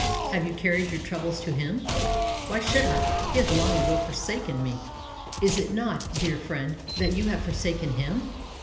Have you carried your troubles to Him?" "Why should I? He has long ago forsaken me." "Is it not, dear friend, that you have forsaken Him?